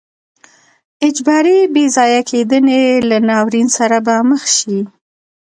اجباري بې ځای کېدنې له ناورین سره به مخ شي.